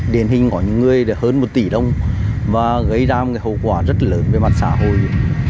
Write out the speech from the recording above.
điển hình có những người hơn một tỷ đồng và gây ra một hậu quả rất lớn về mặt xã hội